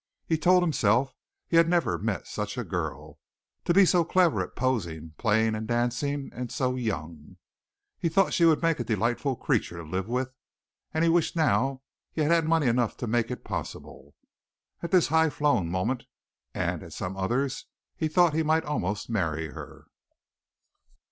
He told himself he had never met such a girl to be so clever at posing, playing and dancing, and so young. He thought she would make a delightful creature to live with, and he wished now he had money enough to make it possible. At this high flown moment and at some others he thought he might almost marry her.